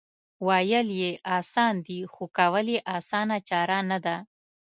وېل یې اسان دي خو کول یې اسانه چاره نه ده